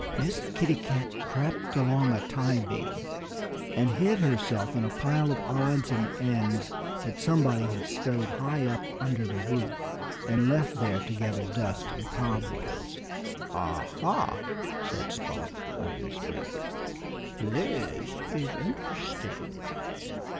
Miss Kitty Cat crept along a tiebeam and hid herself in a pile of odds and ends that somebody had stowed high up under the roof and left there to gather dust and cob webs. "Ah, ha!" said Spot under his breath. "This is interesting."